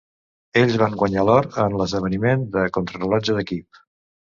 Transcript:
Ells van guanyar l'or en l'esdeveniment de contrarellotge d'equip.